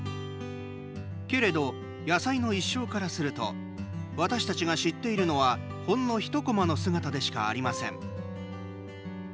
けれど、野菜の一生からすると私たちが知っているのはほんの一こまの姿でしかありません。